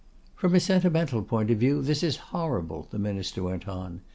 "From a sentimental point of view, this is horrible," the Minister went on.